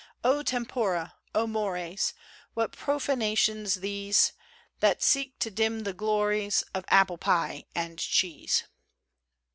O tempora ! O mores ! What profanations these That seek to dim the glories Of Apple Pie and Cheese.